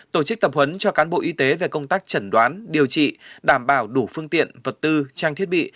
tổ chức tập huấn cho cán bộ y tế về công tác chẩn đoán điều trị đảm bảo đủ phương tiện vật tư trang thiết bị